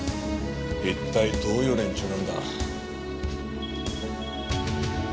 一体どういう連中なんだ。